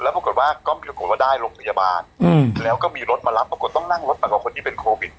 แล้วรอกว่าได้โรงพยาบาลแล้วก็มีรถมารับปรากฏต้องนั่งรถมากว่าคนที่เป็นโควิด